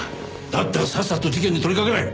だったらさっさと事件に取りかかれ！